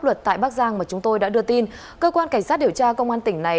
pháp luật tại bắc giang mà chúng tôi đã đưa tin cơ quan cảnh sát điều tra công an tỉnh này